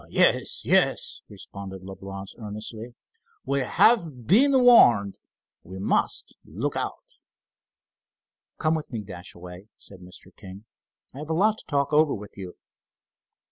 "Yes, yes," responded Leblance earnestly. "We have been warned, we must look out." "Come with me, Dashaway," said Mr. King. "I have a lot to talk over with you."